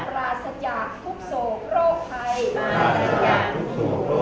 ปราศจากคุกโสโครคไพร